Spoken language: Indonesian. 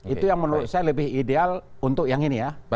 itu yang menurut saya lebih ideal untuk yang ini ya